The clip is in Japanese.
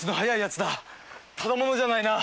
ただ者じゃないな。